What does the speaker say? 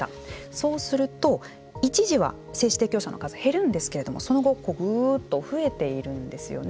そうすると、一時は精子提供者の数が減るんですけどその後ぐうっと増えているんですよね。